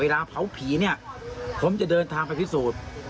เผาผีเนี่ยผมจะเดินทางไปพิสูจน์